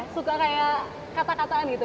suka kayak kata kataan gitu